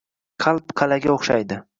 Qalb qalʼaga o‘xshaydi.